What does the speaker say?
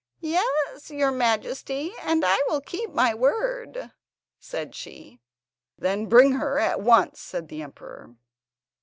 "Yes, your Majesty, and I will keep my word," said she. "Then bring her at once," said the emperor.